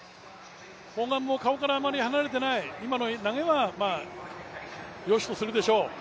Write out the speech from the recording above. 砲丸も顔からあまり離れていない、今の投げはよしとするでしょう。